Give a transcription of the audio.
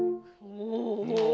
お！